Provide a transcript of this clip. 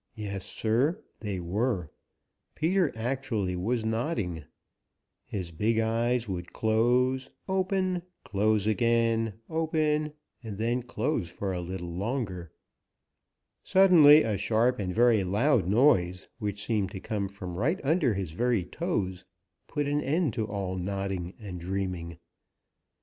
Yes, Sir, they were. Peter actually was nodding. His big eyes would close, open, close again, open and then close for a little longer. Suddenly a sharp and very loud noise, which seemed to come from right under his very toes, put an end to all nodding and dreaming.